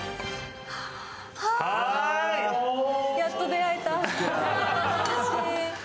やっと出会えた！